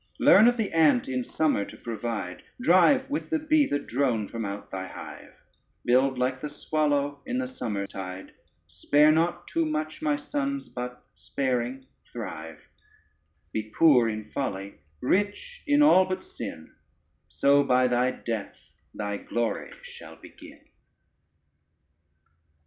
Learn with the ant in summer to provide; Drive with the bee the drone from out thy hive: Build like the swallow in the summer tide; Spare not too much, my son, but sparing thrive: Be poor in folly, rich in all but sin: So by thy death thy glory shall begin.